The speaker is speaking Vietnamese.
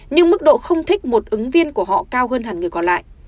nhưng mức độ không thích một ứng viên của họ cao hơn hẳn người còn lại